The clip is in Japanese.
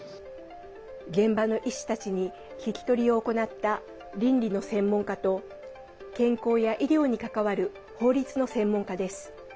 現場の医師たちに聞き取りを行った倫理の専門家と健康や医療に関わる法律の専門家です。